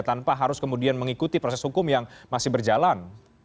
tanpa harus kemudian mengikuti proses hukum yang masih berjalan